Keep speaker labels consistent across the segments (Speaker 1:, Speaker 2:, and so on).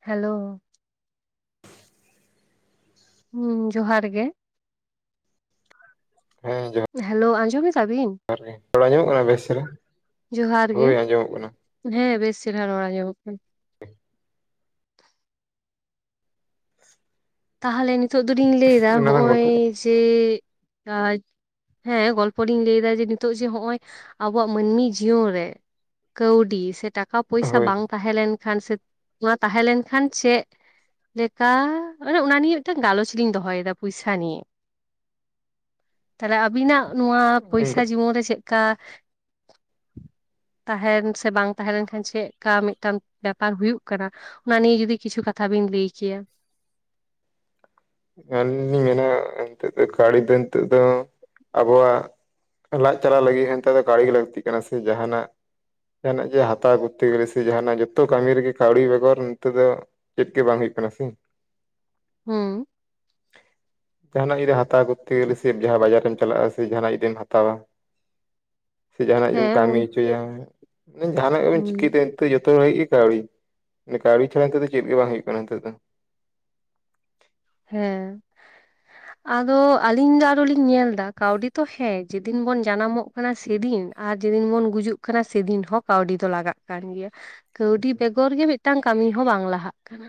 Speaker 1: Hello ᱦᱩᱸ ᱡᱚᱦᱟᱨ ᱜᱮ
Speaker 2: ᱦᱮᱸ ᱡᱚᱦᱟᱨ
Speaker 1: ᱦᱮᱞᱳ ᱟᱸᱡᱚᱢ ᱮᱫᱟᱵᱤᱱ
Speaker 2: ᱨᱚᱲ ᱟᱸᱡᱚᱢᱼᱚᱜ ᱠᱟᱱᱟ ᱵᱮᱥ ᱪᱮᱨᱦᱟ
Speaker 1: ᱡᱚᱦᱟᱨ ᱜᱮ
Speaker 2: ᱦᱳᱭ ᱟᱸᱡᱚᱢᱼᱚᱜ ᱠᱟᱱᱟ
Speaker 1: ᱦᱮᱸ ᱵᱮᱥ ᱪᱮᱨᱦᱟ ᱨᱚᱲ ᱟᱸᱡᱚᱢᱼᱚᱜ ᱠᱟᱱᱟ᱾ ᱛᱟᱦᱚᱞᱮ ᱱᱤᱛᱚᱜ ᱫᱚᱞᱤᱧ ᱞᱟᱹᱭᱫᱟ
Speaker 2: ᱮᱱᱟᱝ ᱞᱟᱝ
Speaker 1: ᱦᱚᱸᱜᱼᱚᱭ
Speaker 2: ᱜᱚᱞᱯᱚ
Speaker 1: ᱡᱮ ᱦᱮᱸ ᱜᱚᱞᱯᱚ ᱞᱤᱧ ᱞᱟᱹᱭᱫᱟ ᱡᱮ ᱱᱤᱛᱚᱜ ᱡᱮ ᱱᱚᱜᱼᱚᱭ ᱟᱵᱚᱣᱟᱜ ᱢᱟᱹᱱᱢᱤ ᱡᱤᱭᱚᱱ ᱨᱮ ᱠᱟᱣᱰᱤ ᱥᱮ ᱴᱟᱠᱟ
Speaker 2: ᱠᱟᱱᱟ
Speaker 1: ᱯᱚᱭᱥᱟ
Speaker 2: ᱦᱳᱭ
Speaker 1: ᱵᱟᱝ ᱛᱟᱦᱮᱸ ᱞᱮᱱ ᱠᱷᱟᱱ ᱥᱮ ᱱᱚᱣᱟ ᱛᱟᱦᱮᱸ ᱞᱮᱱ ᱠᱷᱟᱱ ᱪᱮᱫ ᱞᱮᱠᱟ ᱢᱟᱱᱮ ᱚᱱᱟ ᱱᱤᱭᱮ ᱢᱤᱫᱴᱟᱝ ᱜᱟᱞᱚᱪ ᱞᱤᱧ ᱫᱚᱦᱚᱭ ᱮᱫᱟ ᱯᱚᱭᱥᱟ ᱱᱤᱭᱮ ᱛᱟᱦᱚᱞᱮ ᱟᱵᱤᱱᱼᱟᱜ ᱱᱚᱣᱟ ᱯᱚᱭᱥᱟ ᱡᱤᱵᱚᱱ ᱨᱮ ᱪᱮᱫᱠᱟ ᱛᱟᱦᱮᱱ ᱥᱮ ᱵᱟᱝ ᱛᱟᱦᱮᱸ ᱞᱮᱱᱠᱷᱟᱱ ᱪᱮᱫᱠᱟ ᱢᱤᱫᱴᱟᱝ ᱵᱮᱯᱟᱨ ᱦᱩᱭᱩᱜ ᱠᱟᱱᱟ᱾ ᱚᱱᱟ ᱱᱤᱭᱮ ᱡᱩᱫᱤ ᱠᱤᱪᱷᱩ ᱠᱟᱛᱷᱟ ᱵᱤᱱ ᱞᱟᱹᱭ ᱠᱮᱭᱟ᱾
Speaker 2: ᱟᱹᱞᱤᱧ ᱞᱤᱧ ᱢᱮᱱᱟ ᱱᱤᱛᱚᱜ ᱫᱚ ᱠᱟᱹᱣᱰᱤ ᱫᱚ ᱱᱤᱛᱚᱜ ᱫᱚ ᱟᱵᱚᱣᱟᱜ ᱞᱟᱡ ᱪᱟᱞᱟᱜ ᱞᱟᱹᱜᱤᱫ ᱱᱮᱛᱟᱨ ᱫᱚ ᱠᱟᱹᱣᱰᱤ ᱜᱮ ᱞᱟᱹᱠᱛᱤᱜ ᱠᱟᱱᱟ ᱥᱮ ᱡᱟᱦᱟᱸᱱᱟᱜ ᱡᱟᱦᱟᱸᱱᱟᱜ ᱡᱮ ᱦᱟᱛᱟᱣ ᱠᱚᱛᱛᱮ ᱜᱮᱞᱮ ᱥᱮ ᱡᱟᱦᱟᱸᱱᱟᱜ ᱡᱚᱛᱚ ᱠᱟᱹᱢᱤ ᱨᱮᱜᱮ ᱠᱟᱹᱣᱰᱤ ᱵᱮᱜᱚᱨ ᱱᱚᱛᱮ ᱫᱚ ᱪᱮᱫ ᱜᱮ ᱵᱟᱝ ᱦᱩᱭᱩᱜ ᱠᱟᱱᱟ ᱥᱮ
Speaker 1: ᱦᱩᱸ
Speaker 2: ᱡᱟᱦᱟᱸᱱᱟᱜ ᱡᱩᱤᱫ ᱦᱟᱛᱟᱣ ᱠᱚᱛᱛᱮ ᱜᱮᱞᱮ ᱥᱨᱤᱯ ᱡᱟᱦᱟᱸ ᱵᱟᱡᱟᱨ ᱮᱢ ᱪᱟᱞᱟᱜᱼᱟ ᱥᱮ ᱡᱟᱦᱟᱸᱱᱟᱜ ᱡᱩᱫᱤᱢ ᱦᱟᱛᱟᱣᱟ ᱥᱮ ᱡᱟᱦᱟᱸᱱᱟᱜ ᱜᱮᱢ
Speaker 1: ᱦᱮᱸ ᱩᱱ
Speaker 2: ᱠᱟᱹᱢᱤ ᱦᱚᱪᱚᱭᱟ ᱡᱟᱦᱟᱸᱱᱟᱜ ᱜᱮᱢ ᱪᱤᱠᱟᱹᱭ
Speaker 1: ᱦᱩᱸ
Speaker 2: ᱱᱤᱛᱚᱜ ᱡᱚᱛᱚ ᱡᱚᱛᱚ ᱜᱷᱟᱹᱲᱤᱡ ᱜᱮ ᱠᱟᱹᱣᱰᱤ ᱠᱟᱹᱣᱰᱤ ᱪᱷᱟᱲᱟ ᱱᱤᱛᱚᱜ ᱫᱚ ᱪᱮᱫ ᱜᱮ ᱵᱟᱝ ᱦᱩᱭᱩᱜ ᱠᱟᱱᱟ ᱱᱤᱛᱚᱜ ᱫᱚ᱾
Speaker 1: ᱦᱮᱸ ᱟᱫᱚ ᱟᱹᱞᱤᱧ ᱫᱚ ᱟᱨᱚ ᱞᱤᱧ ᱧᱮᱞᱫᱟ ᱠᱟᱹᱣᱰᱤ ᱛᱚ ᱦᱮᱸ ᱡᱮ ᱫᱤᱱ ᱵᱚᱱ ᱡᱟᱱᱟᱢᱼᱚᱜ ᱠᱟᱱᱟ ᱥᱮᱫᱤᱱ ᱟᱨ ᱡᱮᱫᱤᱱ ᱵᱚᱱ ᱜᱩᱡᱩᱜ ᱠᱟᱱᱟ ᱥᱮᱫᱤᱱ ᱦᱚᱸ ᱠᱟᱹᱣᱰᱤ ᱫᱚ ᱞᱟᱜᱟᱜ ᱠᱟᱱ ᱜᱮᱭᱟ᱾ ᱠᱟᱹᱣᱰᱤ ᱵᱮᱜᱚᱨ ᱜᱮ ᱢᱤᱫᱴᱟᱝ ᱠᱟᱹᱢᱤ ᱦᱚᱸ ᱵᱟᱝ ᱞᱟᱦᱟᱜ ᱠᱟᱱᱟ᱾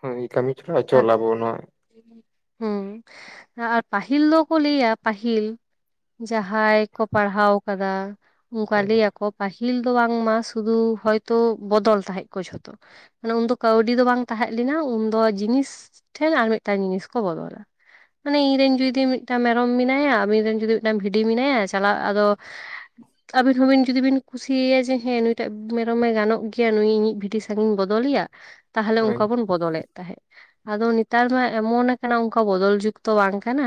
Speaker 2: ᱦᱩᱸ ᱠᱟᱹᱢᱤ ᱪᱷᱟᱰᱟ ᱚᱪᱚᱞ ᱟᱵᱚᱱᱟ
Speaker 1: ᱦᱩᱸ ᱟᱨ ᱯᱟᱦᱤᱞ ᱫᱚᱠᱚ ᱞᱟᱹᱭᱟ ᱯᱟᱦᱤᱞ ᱡᱟᱦᱟᱭ ᱠᱚ ᱯᱟᱲᱦᱟᱣ ᱠᱟᱫᱟ ᱚᱱᱠᱟ
Speaker 2: ᱦᱳᱭ
Speaker 1: ᱞᱟᱹᱭᱟᱠᱚ ᱯᱟᱦᱤᱞ ᱫᱚ ᱵᱟᱝᱢᱟ ᱥᱩᱫᱩ ᱦᱚᱭᱛᱚ ᱵᱚᱫᱚᱞ ᱛᱟᱦᱮᱸᱜ ᱠᱚ ᱡᱷᱚᱛᱚ᱾ ᱢᱟᱱᱮ ᱩᱱᱫᱚ ᱠᱟᱹᱣᱰᱤ ᱫᱚ ᱵᱟᱝ ᱛᱟᱦᱮᱸᱜ ᱞᱮᱱᱟ, ᱩᱱᱫᱚ ᱡᱤᱱᱤᱥ ᱴᱷᱮᱱ ᱟᱨ ᱢᱤᱫᱴᱟᱱ ᱡᱤᱱᱤᱥ ᱠᱚ ᱵᱚᱫᱚᱞᱟ᱾ ᱢᱟᱱᱮ ᱤᱧᱨᱮᱱ ᱡᱩᱫᱤ ᱢᱤᱫᱴᱟᱝ ᱢᱮᱨᱚᱢ ᱢᱮᱱᱟᱭᱟ ᱟᱵᱤᱱ ᱨᱮᱱ ᱡᱩᱫᱤ ᱢᱤᱫᱴᱟᱝ ᱵᱷᱤᱰᱤ ᱢᱮᱱᱟᱭᱟ ᱪᱟᱞᱟᱜ ᱟᱫᱚ [inaudible] ᱟᱵᱤᱱ ᱦᱚᱸᱵᱤᱱ ᱡᱩᱫᱤ ᱵᱤᱱ ᱠᱩᱥᱤᱭᱮᱭᱟ ᱡᱮ ᱦᱮᱸ ᱱᱩᱭᱴᱟᱜ ᱢᱮᱨᱚᱢᱮ ᱜᱟᱱᱚᱜ ᱜᱮᱭᱟ ᱱᱩᱭ ᱤᱧᱤᱡ ᱵᱷᱤᱰᱤ ᱤᱧ ᱵᱚᱫᱚᱞᱮᱭᱟ ᱛᱟᱦᱚᱞᱮ
Speaker 2: ᱦᱩᱸ
Speaker 1: ᱚᱱᱠᱟ ᱵᱚᱱ ᱵᱚᱫᱚᱞᱮᱫ ᱛᱟᱦᱮᱫ ᱟᱫᱚ ᱱᱮᱛᱟᱨ ᱢᱟ ᱮᱢᱚᱱ ᱟᱠᱟᱱᱟ ᱚᱱᱠᱟ ᱵᱚᱫᱚᱞ ᱡᱩᱜᱽ ᱛᱚ ᱵᱟᱝ ᱠᱟᱱᱟ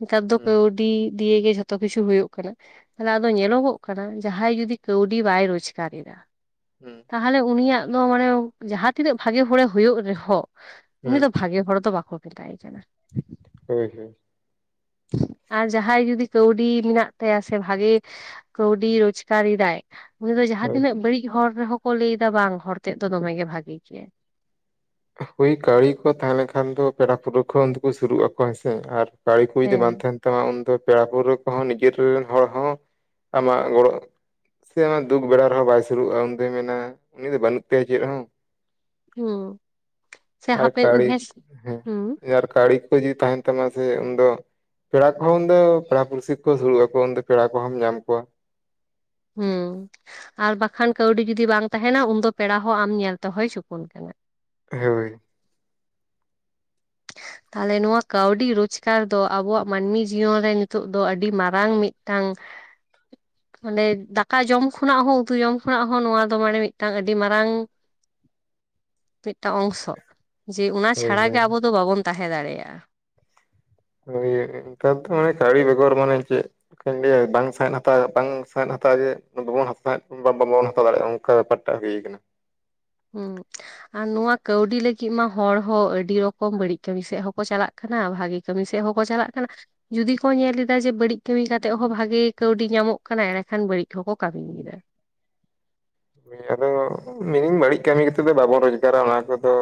Speaker 1: ᱱᱮᱛᱟᱨ ᱫᱚ ᱠᱟᱹᱣᱰᱤ ᱫᱤᱭᱮ ᱜᱮ ᱡᱷᱚᱛᱚ ᱠᱤᱪᱷᱩ ᱦᱩᱭᱩᱜ ᱠᱟᱱᱟ᱾ ᱛᱟᱦᱚᱞᱮ ᱟᱫᱚ ᱧᱮᱞᱚᱜᱚᱜ ᱠᱟᱱᱟ ᱡᱟᱦᱟᱭ ᱡᱩᱫᱤ ᱠᱟᱹᱣᱰᱤ ᱵᱟᱭ ᱨᱳᱡᱽᱜᱟᱨ ᱮᱫᱟ
Speaker 2: ᱦᱮᱸ
Speaker 1: ᱛᱟᱦᱟᱞᱮ ᱩᱱᱤᱭᱟᱜ ᱫᱚ ᱢᱟᱱᱮ ᱡᱟᱦᱟᱸ ᱛᱤᱱᱟᱹᱜ ᱵᱷᱟᱜᱮ ᱦᱚᱲᱮ ᱦᱩᱭᱩᱜ ᱨᱮᱦᱚᱸ ᱩᱱᱤ
Speaker 2: ᱦᱩᱸ
Speaker 1: ᱫᱚ ᱵᱷᱟᱜᱮ ᱦᱚᱲ ᱛᱚ ᱵᱟᱠᱚ ᱠᱮᱛᱟᱭᱮ ᱠᱟᱱᱟ
Speaker 2: ᱦᱩᱸ ᱦᱩᱸ
Speaker 1: ᱟᱨ ᱡᱟᱦᱟᱭ ᱡᱩᱫᱤ ᱠᱟᱹᱣᱰᱤ ᱢᱮᱱᱟᱜ ᱛᱟᱭᱟ ᱥᱮ ᱵᱷᱟᱜᱤ ᱠᱟᱹᱣᱰᱤ ᱨᱳᱡᱜᱟᱨᱮᱫᱟᱭ, ᱩᱱᱤ ᱫᱚ ᱡᱟᱦᱟ ᱛᱤᱱᱟᱹᱜ ᱵᱟᱹᱲᱤᱡ ᱦᱚᱲ ᱨᱮᱦᱚᱸ ᱠᱚ ᱞᱟᱹᱭ ᱫᱟ ᱵᱟᱝ ᱦᱚᱲ ᱛᱮᱫ ᱫᱚ ᱫᱚᱢᱮ ᱜᱮ ᱵᱷᱟᱜᱮ ᱜᱮᱭᱟᱭ᱾
Speaker 2: ᱦᱳᱭ ᱠᱟᱣᱲᱤ ᱠᱚ ᱛᱟᱦᱮᱸ ᱞᱮᱱᱠᱷᱟᱱ ᱫᱚ ᱯᱮᱲᱟ ᱯᱩᱰᱩ ᱠᱚ ᱩᱱ ᱫᱚᱠᱚ ᱥᱩᱨᱩᱜ ᱟᱠᱚ ᱦᱮᱸᱥᱮ ᱟᱨ ᱠᱟᱣᱲᱤ ᱠᱚ ᱡᱩᱫᱤ
Speaker 1: ᱦᱮᱸ
Speaker 2: ᱵᱟᱝ ᱛᱟᱦᱮᱱ ᱛᱟᱢᱟ ᱩᱱᱫᱚ ᱯᱮᱲᱟ ᱯᱟᱹᱲᱟᱹ ᱠᱚᱦᱚᱸ ᱱᱤᱡᱮᱨ ᱨᱮᱱ ᱦᱚᱲ ᱦᱚᱸ ᱟᱢᱟᱜ ᱜᱚᱲᱚ ᱥᱮ ᱟᱢᱟᱜ ᱫᱩᱠ ᱵᱮᱲᱟ ᱨᱮᱦᱚᱸ ᱵᱟᱭ ᱥᱩᱨᱩᱜᱼᱟ ᱩᱱᱫᱚᱭ ᱢᱮᱱᱟ ᱩᱱᱤ ᱫᱚ ᱵᱟᱹᱱᱩᱜ ᱛᱟᱭᱟ ᱪᱮᱫ ᱦᱚᱸ
Speaker 1: ᱦᱩᱸ ᱥᱮ
Speaker 2: ᱟᱨ
Speaker 1: ᱦᱟᱯᱮᱱ
Speaker 2: ᱠᱟᱲᱤ
Speaker 1: ᱦᱮᱸᱥ
Speaker 2: ᱦᱩᱸ ᱟᱨ ᱠᱟᱲᱤ ᱠᱚ ᱡᱩᱫᱤ ᱛᱟᱦᱮᱱ ᱛᱟᱢᱟ ᱥᱮ ᱩᱱᱫᱚ ᱯᱮᱲᱟ ᱠᱚᱦᱚᱸ ᱩᱱ ᱫᱚ ᱯᱮᱲᱟ ᱯᱩᱲᱥᱤ ᱠᱚ ᱥᱩᱨᱩᱜ ᱟᱠᱚ ᱩᱱᱫᱚ ᱯᱮᱲᱟ ᱠᱚᱦᱚᱸᱢ ᱧᱟᱢ ᱠᱚᱣᱟ
Speaker 1: ᱦᱩᱸ ᱟᱨ ᱵᱟᱠᱷᱟᱱ ᱠᱟᱹᱣᱰᱤ ᱡᱩᱫᱤ ᱵᱟᱝ ᱛᱟᱦᱮᱱᱟ ᱩᱱᱫᱚ ᱯᱮᱲᱟ ᱦᱚᱸ ᱟᱢ ᱧᱮᱞ ᱛᱮᱦᱚᱭ ᱪᱩᱠᱩᱱ ᱠᱟᱱᱟ
Speaker 2: ᱦᱳᱭ
Speaker 1: ᱛᱟᱦᱚᱞᱮ ᱱᱚᱣᱟ ᱠᱟᱹᱣᱰᱤ ᱨᱳᱡᱽᱜᱟᱨ ᱫᱚ ᱟᱵᱚᱣᱟᱜ ᱢᱟᱹᱱᱢᱤ ᱡᱤᱭᱚᱱ ᱨᱮ ᱱᱤᱛᱚᱜ ᱫᱚ ᱟᱹᱰᱤ ᱢᱟᱨᱟᱝ ᱢᱤᱫᱴᱟᱝ [inaudible] ᱢᱟᱱᱮ ᱫᱟᱠᱟ ᱡᱚᱢ ᱠᱷᱚᱱᱟᱜ ᱦᱚᱸ ᱩᱛᱩ ᱡᱚᱢ ᱠᱷᱚᱱᱟᱜ ᱦᱚᱸ ᱱᱚᱣᱟ ᱫᱚ ᱢᱟᱱᱮ ᱢᱤᱫᱴᱟᱝ ᱟᱹᱰᱤ ᱢᱟᱨᱟᱝ ᱢᱤᱫᱴᱟᱝ ᱚᱝᱥᱚ ᱡᱮ ᱚᱱᱟ
Speaker 2: ᱦᱳᱭ
Speaker 1: ᱪᱷᱟᱲᱟ
Speaker 2: ᱦᱳᱭ
Speaker 1: ᱜᱮ ᱟᱵᱚ ᱫᱚ ᱵᱟᱵᱚᱱ ᱛᱟᱦᱮᱸ ᱫᱟᱲᱮᱭᱟᱜᱼᱟ
Speaker 2: ᱦᱳᱭ ᱱᱮᱛᱟᱨ ᱫᱚ ᱢᱟᱱᱮ ᱠᱟᱹᱣᱲᱤ ᱵᱮᱜᱚᱨ ᱢᱟᱱᱮ ᱪᱮᱫ ᱠᱟᱧ ᱞᱟᱹᱭᱟ ᱵᱟᱝ ᱥᱟᱦᱮᱸᱫ ᱦᱟᱛᱟᱣ ᱵᱟᱝ ᱥᱟᱸᱦᱮᱫ ᱦᱟᱛᱟᱣ ᱡᱮ ᱵᱟᱵᱚᱱ ᱦᱟᱥᱟᱣᱮᱫ ᱵᱟᱵᱚᱱ ᱦᱟᱛᱟᱣ ᱫᱟᱲᱮᱭᱟᱜᱼᱟ ᱚᱱᱠᱟ ᱵᱮᱯᱟᱨ ᱴᱟᱜ ᱦᱩᱭ ᱠᱟᱱᱟ
Speaker 1: ᱦᱩᱸ ᱟᱨ ᱱᱚᱣᱟ ᱠᱟᱹᱣᱰᱤ ᱞᱟᱹᱜᱤᱫ ᱢᱟ ᱦᱚᱲ ᱦᱚ ᱟᱹᱰᱤ ᱨᱚᱠᱚᱢ ᱵᱟᱹᱲᱤᱡ ᱠᱟᱹᱢᱤ ᱥᱮᱫ ᱦᱚᱸᱠᱚ ᱪᱟᱞᱟᱜ ᱠᱟᱱᱟ ᱵᱷᱟᱜᱤ ᱠᱟᱹᱢᱤ ᱥᱮᱫ ᱦᱚᱸᱠᱚ ᱪᱟᱞᱟᱜ ᱠᱟᱱᱟ ᱡᱩᱫᱤ ᱠᱚ ᱧᱮᱞ ᱮᱫᱟ ᱡᱮ ᱵᱟᱹᱲᱤᱡ ᱠᱟᱹᱢᱤ ᱠᱟᱛᱮᱫ ᱦᱚ ᱵᱷᱟᱜᱮ ᱠᱟᱹᱣᱰᱤ ᱧᱟᱢᱚᱜ ᱠᱟᱱᱟ ᱮᱸᱲᱮᱠᱷᱟᱱ ᱵᱟᱹᱲᱤᱡ ᱦᱚᱸᱠᱚ ᱠᱟᱹᱢᱤ ᱭᱮᱫᱟ
Speaker 2: ᱟᱫᱚ ᱢᱮᱱᱟᱹᱧ ᱵᱟᱹᱲᱤᱡ ᱠᱟᱹᱢᱤ ᱠᱮᱛᱮ ᱫᱚ ᱵᱟᱵᱚᱱ ᱨᱳᱡᱽᱜᱟᱨᱟ ᱚᱱᱟ ᱠᱚᱫᱚ